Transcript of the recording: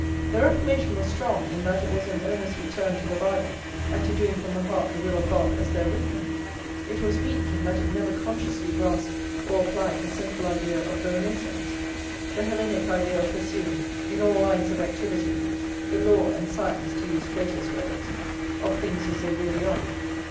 The Reformation was strong, in that it was an earnest return to the Bible and to doing from the heart the will of God as there written; it was weak, in that it never consciously grasped or applied the central idea of the Renascence, the Hellenic idea of pursuing, in all lines of activity, the law and science, to use Plato's words, of things as they really are.